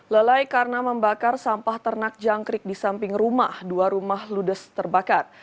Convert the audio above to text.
lelai karena membakar sampah ternak jangkrik di samping rumah dua rumah ludes terbakar